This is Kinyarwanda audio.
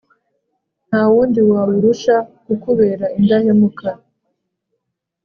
nta wundi wawurusha kukubera indahemuka.